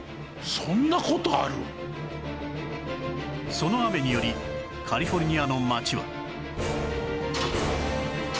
その雨によりカリフォルニアの街は